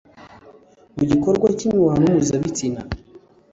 mu gikorwa cy'imibonano mpuzabitsina